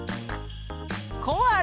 コアラ。